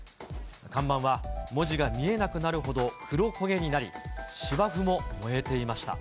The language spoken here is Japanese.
看板は文字が見えなくなるほど黒焦げになり、芝生も燃えていました。